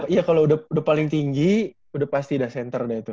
iya kalau udah paling tinggi udah pasti udah center udah itu